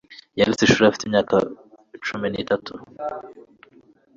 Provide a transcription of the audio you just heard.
yaretse ishuri afite imyaka cumi n'itatu.